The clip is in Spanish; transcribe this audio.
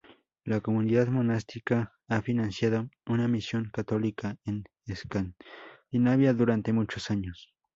La comunidad monástica ha financiado una misión católica en Escandinavia durante muchos años.